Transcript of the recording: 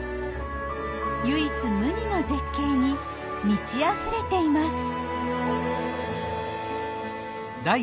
唯一無二の絶景に満ちあふれています。